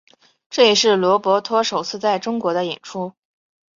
这也是罗伯托首次在中国的演出。